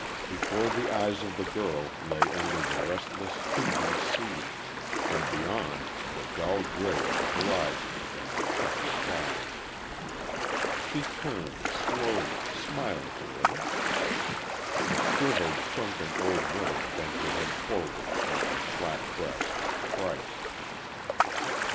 Before the eyes of the girl lay only the restless, heaving sea. and beyond the dull gray of the horizon and the cupped sky. She turned, slowly, smiling a little. The shrivelled, shrunken old woman bent her head forward upon her flat breast, thrice.